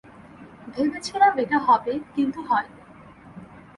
ভেবেছিলাম এটা হবে, কিন্তু হয়নি।